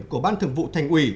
của ban thường vụ thành ủy